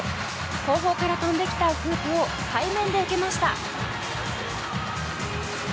後方から飛んできたフープを背面で受けました。